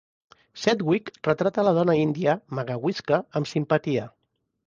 Sedgwick retrata la dona índia "Magawisca" amb simpatia.